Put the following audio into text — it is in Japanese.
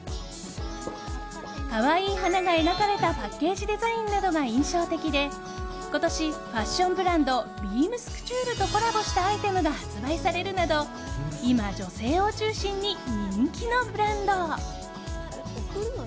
可愛い花が描かれたパッケージデザインなどが印象的で今年、ファッションブランドＢＥＡＭＳＣＯＵＴＵＲＥとコラボしたアイテムが発売されるなど今、女性を中心に人気のブランド。